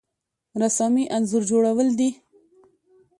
رسامي انځور جوړول دي